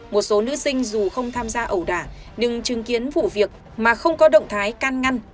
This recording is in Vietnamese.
một số nữ sinh dù không tham gia ẩu đả nhưng chứng kiến vụ việc mà không có động thái can ngăn